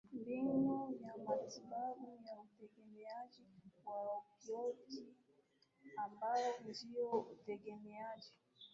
mbinu ya matibabu ya utegemeaji wa opioidi ambao ndio utegemeaji